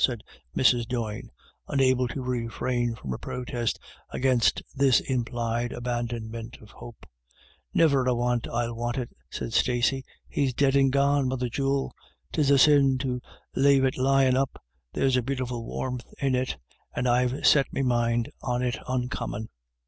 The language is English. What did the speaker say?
" said Mrs. Doyne unable to refrain from a protest against this implied abandonment of hope. " Niver a want I'll want it," said Stacey. u He's dead and gone, mother jewel. 'Tis a sin to lave it lyin* up ; there's a beautiful warmth in it And Tve set me mind on it oncommon."